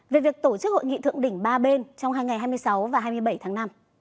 về việc tổ chức hội nghị thượng đỉnh ba bên trong hai ngày hai mươi sáu và hai mươi bảy tháng năm